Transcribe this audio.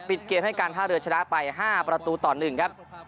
เกมให้การท่าเรือชนะไป๕ประตูต่อ๑ครับ